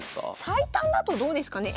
最短だとどうですかね？